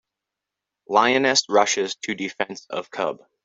Lioness Rushes to Defense of Cub.